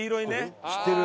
知ってる？